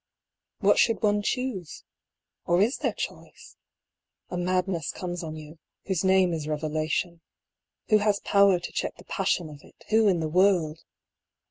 What should one choose? or is there choice? A madness comes on you, whose name is revelation : who has power to check the passion of it, who in the world?